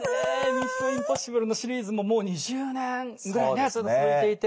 「ミッション：インポッシブル」のシリーズももう２０年ぐらいね続いていて。